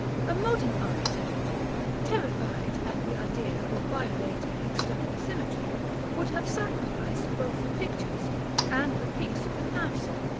A modern architect, terrified at the idea of violating external symmetry, would have sacrificed both the pictures and the peace of the council.